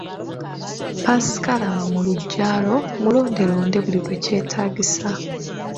Ppaasikalamu mu luggya lwo, mulonde londe buli lwekyetaagisa.